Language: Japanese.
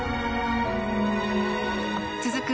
続く